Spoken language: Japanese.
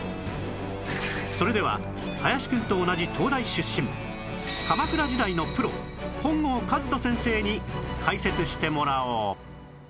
それでは林くんと同じ東大出身鎌倉時代のプロ本郷和人先生に解説してもらおう